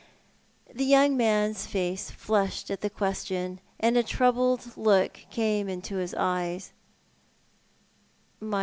" The young man's face flushed at the question, and^a troubled look came into his eyes.